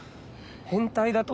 変態だと？